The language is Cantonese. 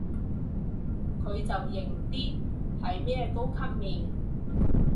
佢就型啲，係咩高級面